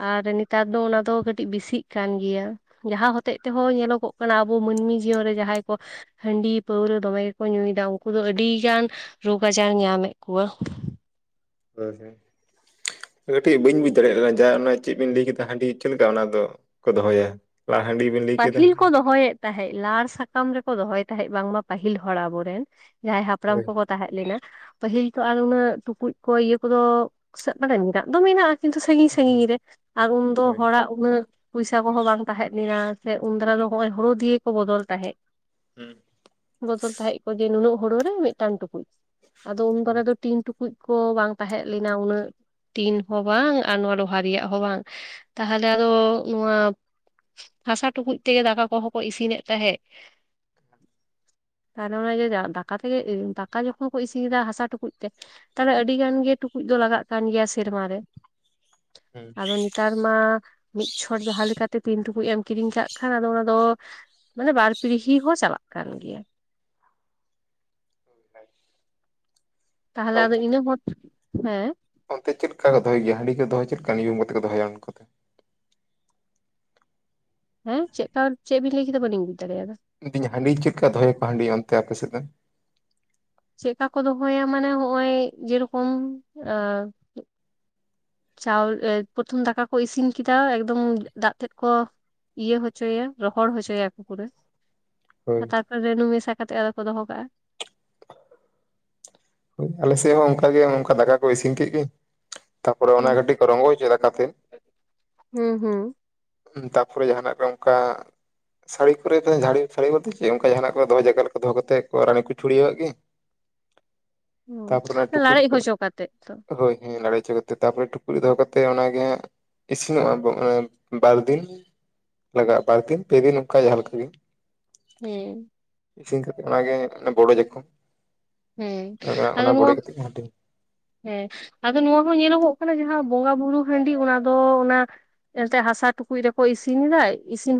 Speaker 1: ᱟᱨ ᱱᱮᱛᱟᱨ ᱫᱚ ᱚᱱᱟ ᱫᱚ ᱠᱟᱹᱴᱤᱡ ᱵᱤᱥᱤᱜ ᱠᱟᱱ ᱜᱮᱭᱟ ᱡᱟᱦᱟᱸ ᱦᱚᱛᱮᱡ ᱛᱮ ᱦᱚᱸ ᱧᱮᱞᱚᱜᱚᱜ ᱠᱟᱱᱟ ᱟᱵᱚ ᱢᱟᱹᱱᱢᱤ ᱡᱤᱭᱚᱱ ᱨᱮ ᱡᱟᱦᱟᱸᱭ ᱠᱚ ᱦᱟᱺᱰᱤ ᱯᱟᱹᱣᱨᱟᱹ ᱫᱚᱢᱮ ᱜᱮᱠᱚ ᱧᱩᱭᱫᱟ ᱩᱱᱠᱩ ᱫᱚ ᱟᱹᱰᱤᱜᱟᱱ ᱨᱳᱜᱽ ᱟᱡᱟᱨ ᱧᱟᱢᱮᱫ ᱠᱚᱣᱟ
Speaker 2: ᱦᱳᱭ ᱦᱮᱸ ᱠᱟᱹᱴᱤᱡ ᱵᱟᱹᱧ ᱵᱩᱡᱽ ᱫᱟᱲᱮᱭᱟᱜ ᱠᱟᱱᱟ ᱡᱮ ᱚᱱᱟ ᱪᱮᱫ ᱵᱤᱱ ᱞᱟᱹᱭ ᱠᱮᱫᱟ ᱦᱟᱺᱰᱤ ᱪᱮᱫ ᱞᱮᱠᱟ ᱚᱱᱟ ᱫᱚᱠᱚ ᱫᱚᱦᱚᱭᱟ ᱞᱟᱦᱟ ᱦᱟᱺᱰᱤ ᱵᱤᱱ ᱞᱟᱹᱭ ᱠᱮᱫᱟ
Speaker 1: ᱯᱟᱹᱦᱤᱞ ᱠᱚ ᱫᱚᱦᱚᱭᱮᱫ ᱛᱟᱦᱮᱸᱫ ᱞᱟᱲ ᱥᱟᱠᱟᱢ ᱨᱮ ᱠᱚ ᱫᱚᱦᱚᱭ ᱛᱟᱦᱮᱸᱫ ᱵᱟᱝᱢᱟ ᱯᱟᱹᱦᱤᱞ ᱦᱚᱲ ᱟᱵᱚ ᱨᱮᱱ ᱡᱟᱦᱟᱸᱭ ᱦᱟᱯᱲᱟᱢ
Speaker 2: ᱦᱳᱭ
Speaker 1: ᱠᱚ ᱛᱟᱦᱮᱸ ᱞᱮᱱᱟ ᱯᱟᱹᱦᱤᱞ ᱛᱚ ᱟᱨ ᱩᱱᱟᱹᱜ ᱴᱩᱠᱩᱡ ᱠᱚ ᱤᱭᱟᱹ ᱠᱚᱫᱚᱮᱫ ᱢᱮ ᱢᱮᱱᱟᱜ ᱫᱚ ᱢᱮᱱᱟᱜ-ᱟ ᱠᱤᱱᱛᱩ ᱥᱟᱹᱜᱤᱧ
Speaker 2: ᱦᱳᱭ
Speaker 1: ᱥᱟᱹᱜᱤᱧ ᱨᱮ ᱟᱨ ᱩᱱᱫᱚ
Speaker 2: ᱦᱳᱭ
Speaker 1: ᱦᱚᱲᱟᱜ ᱩᱱᱟᱹᱜ ᱯᱚᱭᱥᱟ ᱠᱚᱦᱚᱸ ᱵᱟᱝ ᱛᱟᱦᱮᱸ ᱞᱮᱱᱟ ᱥᱮ ᱩᱱᱫᱟᱨᱟ ᱫᱚ ᱦᱚᱜᱚᱭ ᱦᱳᱲᱳ ᱫᱤᱭᱮ ᱠᱚ ᱵᱚᱫᱚᱞ ᱛᱟᱦᱮᱸᱜ
Speaker 2: [unintelligible]
Speaker 1: ᱵᱚᱫᱚᱞ ᱛᱟᱦᱮᱸᱜ ᱠᱚ ᱡᱮ ᱱᱩᱱᱟᱹᱜ ᱦᱳᱲᱳ ᱨᱮ ᱢᱤᱫᱴᱟᱝ ᱴᱩᱠᱩᱡ ᱟᱫᱚ ᱩᱱ ᱫᱟᱨᱟ
Speaker 2: ᱦᱩᱸ
Speaker 1: ᱫᱚ ᱴᱤᱱᱴᱩᱠᱩᱡ ᱠᱚ ᱵᱟᱝ ᱛᱟᱦᱮᱸ ᱞᱮᱱᱟ ᱩᱱᱟᱹᱜ ᱴᱤᱱ ᱦᱚᱸ ᱵᱟᱝ ᱟᱨ ᱱᱚᱣᱟ ᱞᱳᱦᱟ ᱨᱮᱭᱟᱜ ᱦᱚᱸ ᱵᱟᱝ ᱛᱟᱦᱞᱮ ᱟᱫᱚ ᱱᱚᱣᱟ ᱦᱟᱥᱟ ᱴᱩᱠᱩᱡ ᱛᱮᱜᱮ ᱫᱟᱠᱟ ᱠᱚᱦᱚᱸ ᱠᱚ ᱤᱥᱤᱱᱮᱜ ᱛᱟᱦᱮᱸᱫ ᱛᱟᱦᱞᱮ ᱚᱱᱡᱮ ᱫᱟᱠᱟ ᱛᱮᱜᱮ ᱫᱟᱠᱟ ᱡᱚᱠᱷᱚᱱ ᱠᱚ ᱤᱥᱤᱱᱮᱫᱟ ᱦᱟᱥᱟ ᱴᱩᱠᱩᱡ ᱛᱮ ᱛᱟᱦᱞᱮ ᱟᱹᱰᱤ ᱜᱟᱱ ᱜᱮ ᱴᱩᱠᱩᱡ ᱫᱚ ᱞᱟᱜᱟᱜ ᱠᱟᱱ ᱜᱮᱭᱟ ᱥᱮᱨᱢᱟᱨ ᱨᱮ
Speaker 2: ᱦᱩᱸ᱾
Speaker 1: ᱟᱫᱚ ᱱᱮᱛᱟᱨ ᱢᱟ ᱢᱤᱫ ᱪᱷᱚᱰ ᱡᱟᱦᱟᱸ ᱞᱮᱠᱟᱛᱮ ᱴᱤᱱᱴᱩᱠᱩᱡ ᱮᱢ ᱠᱤᱨᱤᱧ ᱠᱟᱜ ᱠᱷᱟᱱ ᱟᱫᱚ ᱚᱱᱟ ᱫᱚ ᱢᱟᱱᱮ ᱵᱟᱨ ᱯᱤᱲᱦᱤ ᱦᱚᱸ ᱪᱟᱞᱟᱜ ᱠᱟᱱ ᱜᱮᱭᱟ
Speaker 2: [unintelligible]
Speaker 1: ᱛᱟᱦᱞᱮ ᱟᱫᱚ
Speaker 2: ᱚᱱᱛᱮ
Speaker 1: ᱤᱱᱟᱹ ᱯᱚᱨ ᱦᱮᱸ
Speaker 2: ᱚᱱᱛᱮ ᱪᱮᱫ ᱞᱮᱠᱟ ᱠᱚ ᱫᱚᱦᱚᱭ ᱜᱮᱭᱟ ᱦᱟᱹᱰᱤ ᱠᱚ ᱫᱚᱦᱚ ᱪᱮᱫ ᱞᱮᱠᱟ ᱱᱤᱭᱚᱢ ᱠᱟᱛᱮ ᱠᱚ ᱫᱚᱦᱚᱭᱟ ᱩᱱᱠᱩ ᱫᱚ
Speaker 1: ᱦᱮᱸ ᱪᱮᱫᱠᱟ ᱪᱮᱫ ᱵᱤᱱ ᱞᱟᱹᱭ ᱠᱮᱫᱟ ᱵᱟᱹᱞᱤᱧ ᱵᱩᱡᱽ ᱫᱟᱲᱮᱭᱟᱫᱟ
Speaker 2: ᱢᱮᱱᱫᱟᱹᱧ ᱦᱟᱺᱰᱤ ᱪᱮᱫ ᱞᱮᱠᱟ ᱫᱚᱦᱚᱭ ᱟᱠᱚ ᱟ ᱦᱟᱺᱰᱤ ᱚᱱᱛᱮ ᱟᱯᱮ ᱥᱮᱫ ᱨᱮᱱ
Speaker 1: ᱪᱮᱫᱠᱟ ᱠᱚ ᱫᱚᱦᱚᱭᱟ ᱢᱟᱱᱮ ᱦᱚᱜᱼᱚᱭ ᱡᱮᱨᱚᱠᱚᱢ ᱪᱟᱣ ᱯᱨᱚᱨᱚᱛᱷᱚᱢ ᱫᱟᱠᱟ ᱠᱚ ᱤᱥᱤᱱ ᱠᱮᱫᱟ ᱮᱠᱫᱚᱢ ᱫᱟᱜ ᱛᱮᱫ ᱠᱚ ᱤᱭᱟᱹ ᱦᱚᱪᱚᱭᱟ ᱨᱚᱦᱚᱲ ᱦᱚᱪᱚᱭᱟᱠᱚ ᱯᱩᱨᱟᱹ
Speaker 2: ᱦᱳᱭ
Speaker 1: ᱛᱟᱨᱯᱚᱨ ᱨᱟᱹᱱᱩ ᱢᱮᱥᱟ ᱠᱟᱛᱮᱜ ᱟᱫᱚ ᱠᱚ ᱫᱚᱦᱚ ᱠᱟᱜᱼᱟ
Speaker 2: ᱟᱞᱮᱥᱮᱫ ᱦᱚᱸ ᱚᱝᱠᱟ ᱜᱮ ᱚᱝᱠᱟ ᱫᱟᱠᱟ ᱠᱚ ᱤᱥᱤᱱ ᱠᱮᱜ ᱜᱮ ᱛᱟᱯᱚᱨᱮ ᱚᱱᱮ
Speaker 1: ᱦᱮᱸ
Speaker 2: ᱠᱟᱹᱴᱤᱡ ᱠᱚ ᱨᱚᱝᱜᱚ ᱚᱪᱚᱭ ᱫᱟᱠᱟ ᱛᱮᱫ
Speaker 1: ᱦᱩᱸ ᱦᱩᱸ
Speaker 2: ᱛᱟᱯᱚᱨᱮ ᱡᱟᱦᱟᱱᱟᱜ ᱜᱮ ᱚᱱᱠᱟ ᱥᱟᱹᱲᱤ ᱠᱚᱨᱮ ᱫᱚ ᱡᱷᱟᱹᱲᱤᱢ ᱥᱟᱹᱲᱤ ᱜᱚᱫᱟ ᱥᱮ ᱪᱮᱫ ᱚᱱᱠᱟ ᱡᱟᱦᱟᱱᱟᱜ ᱠᱚ ᱫᱚᱦᱚᱭ ᱡᱟᱭᱜᱟ ᱨᱮ ᱫᱚᱦᱚ ᱠᱟᱛᱮᱫ ᱠᱚ ᱨᱟᱹᱱᱩ ᱠᱚ ᱪᱩᱲᱭᱟᱹᱣᱟᱜ ᱜᱮ ᱛᱟᱯᱚᱨ ᱚᱱᱟ
Speaker 1: ᱦᱩᱸ
Speaker 2: ᱴᱩᱠᱩᱡ
Speaker 1: ᱞᱟᱲᱮᱡ
Speaker 2: ᱠᱚ
Speaker 1: ᱦᱚᱪᱚ ᱠᱟᱛᱮᱜ ᱛᱚ
Speaker 2: ᱦᱳᱭ ᱦᱳᱭ ᱞᱟᱲᱮᱪᱚ ᱛᱟᱯᱚᱨᱮ ᱴᱩᱠᱩᱡ ᱫᱚᱦᱚ ᱠᱟᱛᱮ ᱚᱱᱟᱜᱮ ᱦᱟᱸᱜ ᱤᱥᱤᱱᱚᱜᱼᱟ ᱮᱸᱻ ᱵᱟᱨ ᱫᱤᱱ ᱞᱟᱜᱟᱜᱼᱟ ᱵᱟᱨ ᱫᱤᱱ ᱯᱮ ᱫᱤᱱ ᱚᱱᱠᱟ ᱡᱟᱦᱟᱸ ᱞᱮᱠᱟ ᱜᱮ
Speaker 1: ᱦᱩᱸ
Speaker 2: ᱤᱥᱤᱱ ᱠᱟᱛᱮ ᱚᱱᱟᱜᱮ ᱵᱚᱰᱚᱡᱟ ᱠᱚ
Speaker 1: ᱦᱩᱸ ᱟᱫᱚ ᱱᱚᱣᱟ
Speaker 2: ᱠᱟᱛᱮ ᱜᱮ ᱦᱟᱹᱴᱤᱧ
Speaker 1: ᱦᱮᱸ ᱟᱫᱚ ᱱᱚᱣᱟ ᱦᱚᱸ ᱧᱮᱞᱚᱜᱚᱜ ᱠᱟᱱᱟ ᱡᱟᱦᱟᱸ ᱵᱚᱸᱜᱟ ᱵᱩᱨᱩ ᱦᱟᱺᱰᱤ ᱚᱱᱟ ᱫᱚ ᱚᱱᱟ ᱮᱱᱛᱮ ᱦᱟᱥᱟ ᱴᱩᱠᱩᱡ ᱨᱮᱠᱚ ᱤᱥᱤᱱ ᱮᱫᱟ ᱤᱥᱤᱱ